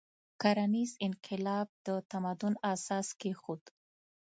کرنیز انقلاب د تمدن اساس کېښود.